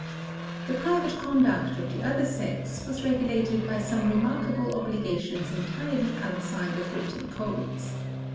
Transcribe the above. The private conduct of the other sex was regulated by some remarkable obligations entirely outside of written codes.